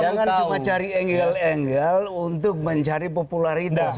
jangan cuma cari enggel enggel untuk mencari popularitas